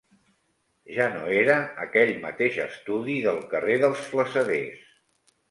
Ja no era aquell mateix estudi del carrer dels Flassaders.